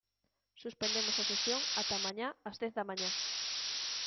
Suspendemos a sesión ata mañá ás dez da mañá.